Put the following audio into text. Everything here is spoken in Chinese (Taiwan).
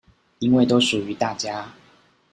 因為都屬於大家